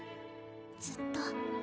ずっと。